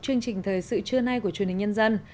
chương trình thời sự trưa nay của truyền hình nhân dân